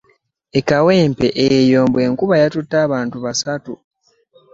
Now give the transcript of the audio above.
E Kawempe eyo mbu enkuba yatutte abantu basatu!